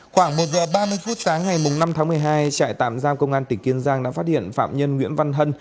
khoảng một giờ ba mươi phút sáng ngày năm tháng một mươi hai trại tạm giam công an tỉnh kiên giang đã phát hiện phạm nhân nguyễn văn hân